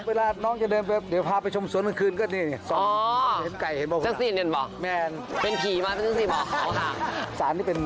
เวลาน้องจะเดินไปเดี๋ยวพาไปชมสวนกลางคืนก็นี่